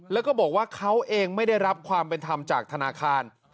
แล้วก็บอกว่าเขาเองไม่ได้รับความเป็นธรรมจากธนาคาร